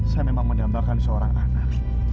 saya memang menambahkan seorang anak